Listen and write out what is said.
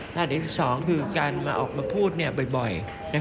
หน้าที่สองก็คือการมาออกมาพูดบ่อย